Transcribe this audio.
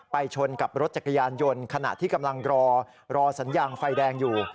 ชนกับรถจักรยานยนต์ขณะที่กำลังรอรอสัญญาณไฟแดงอยู่